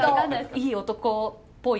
いい男っぽい。